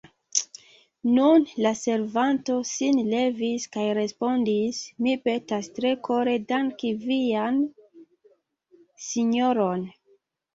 Nun la servanto sin levis kaj respondis: Mi petas tre kore danki vian sinjoron.